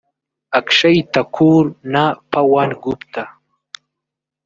Akshay Thakur na Pawan Gupta